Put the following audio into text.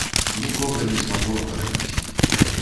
Нікога не змагу абараніць.